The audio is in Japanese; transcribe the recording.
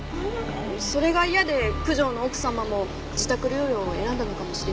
それが嫌で九条の奥様も自宅療養を選んだのかもしれません。